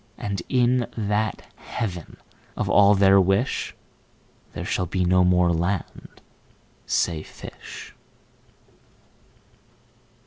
33And in that Heaven of all their wish,34There shall be no more land, say fish.